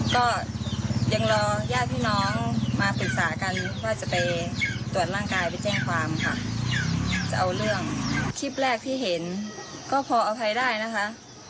คลิปแรกที่เห็นก็พออภัยได้นะคะ